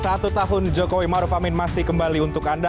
satu tahun jokowi maruf amin masih kembali untuk anda